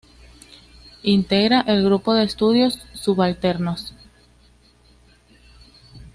Integra el Grupo de Estudios Subalternos.